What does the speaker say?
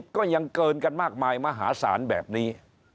ก็ยังเกินกันมากมายมหาศาลแบบนี้